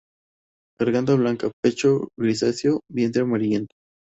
Garganta blanca, pecho grisáceo, vientre amarillento.